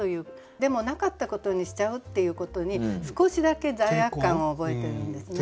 でもなかったことにしちゃうっていうことに少しだけ罪悪感を覚えてるんですね。